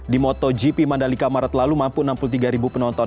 di motogp mandalika maret lalu mampu enam puluh tiga penonton